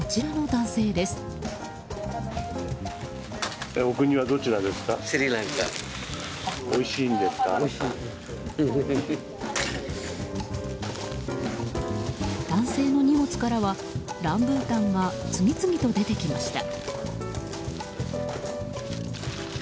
男性の荷物からはランブータンが次々と出てきました。